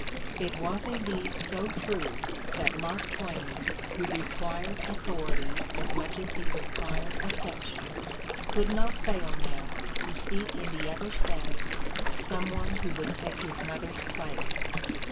It was indeed so true that Mark Twain, who required authority as much as he required affection, could not fail now to seek in the other sex some one who would take his mother's place.